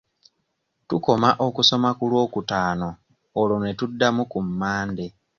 Tukoma okusoma ku lwokutaano olwo ne tuddamu ku Mande.